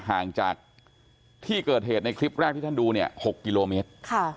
ห่างจากที่เกิดเหตุในคลิปแรกที่ท่านดูเนี่ย๖กิโลเมตร